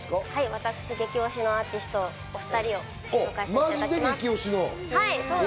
私激推しのアーティストを２人、紹介させていただきます。